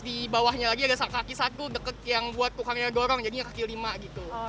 di bawahnya lagi ada kaki satu deket yang buat tukangnya dorong jadinya kaki lima gitu